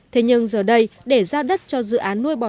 thế nhưng giờ đây để giao đất cho dự án nuôi bò